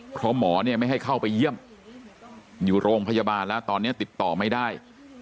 เพราะหมอเนี่ยไม่ให้เข้าไปเยี่ยมอยู่โรงพยาบาลแล้วตอนนี้ติดต่อไม่ได้